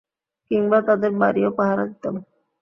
কিংবা, তাদের বাড়িও পাহারা দিতাম।